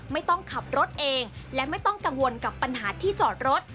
ไม่ต้องขับรถเองและไม่ต้องกังวลกับปัญหาที่จอดรถ